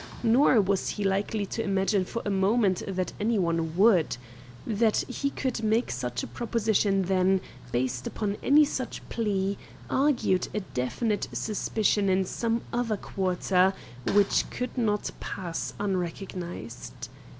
Nor was he likely to imagine for a moment that any one would. That he could make such a proposition then, based upon any such plea, argued a definite suspicion in some other quarter, which could not pass unrecognised.